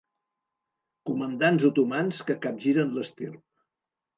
Comandants otomans que capgiren l'estirp.